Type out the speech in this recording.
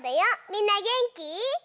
みんなげんき？